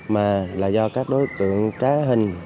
mà là do các đối tượng trá hình